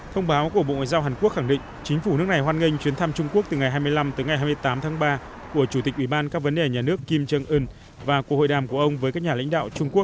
thông báo của bộ ngoại giao hàn quốc khẳng định chính phủ nước này hoan nghênh chuyến thăm trung quốc từ ngày hai mươi năm tới ngày hai mươi tám tháng ba của chủ tịch ủy ban các vấn đề nhà nước kim jong un và cuộc hội đàm của ông với các nhà lãnh đạo trung quốc